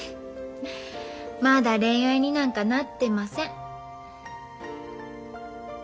まだ恋愛になんかなってません。